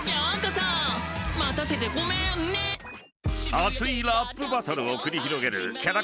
［熱いラップバトルを繰り広げる］